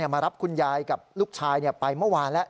มารับคุณยายกับลูกชายไปเมื่อวานแล้ว